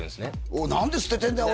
おい何で捨ててんだよ